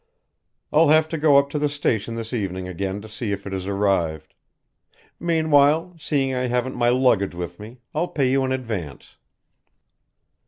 I'll have to go up to the station this evening again to see if it has arrived. Meanwhile, seeing I haven't my luggage with me, I'll pay you in advance."